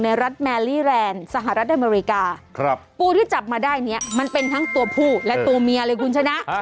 รัฐแมลี่แรนด์สหรัฐอเมริกาปูที่จับมาได้เนี่ยมันเป็นทั้งตัวผู้และตัวเมียเลยคุณชนะ